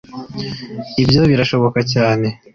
ibyo birashoboka cyane?